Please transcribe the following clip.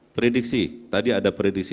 prediksi tadi ada prediksi